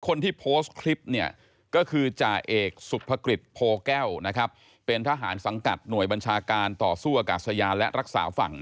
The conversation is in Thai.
คนที่โพสต์คลิปก็คือจาเอกสุภกริตโพแก้วเป็นทหารสังกัดหน่วยบัญชากาลต่อสู้อะกับสยานและรักษาฝั่ง